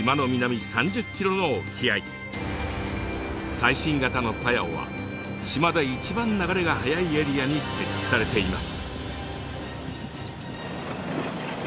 最新型のパヤオは島で一番流れが速いエリアに設置されています。